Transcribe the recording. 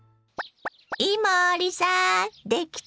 伊守さんできたわよ！